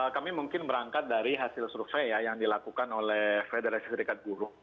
kami mungkin berangkat dari hasil survei ya yang dilakukan oleh federasi serikat buruh